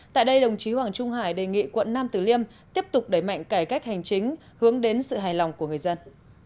tại đây đồng chí hoàng trung hải đề nghị quận nam tử liêm tiếp tục đẩy mạnh cải cách hành chính hướng đến sự hài lòng của người dân